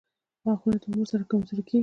• غاښونه د عمر سره کمزوري کیږي.